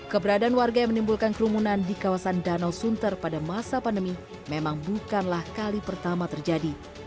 keberadaan warga yang menimbulkan kerumunan di kawasan danau sunter pada masa pandemi memang bukanlah kali pertama terjadi